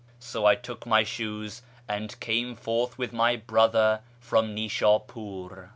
So I took my shoes, and came forth with my brother from Nfshapur."